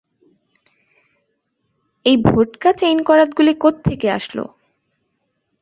এই ভোটকা চেইন করাতগুলি কোত্থেকে আসলো?